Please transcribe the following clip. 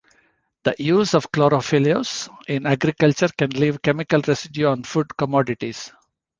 The use of chlorpyrifos in agriculture can leave chemical residue on food commodities.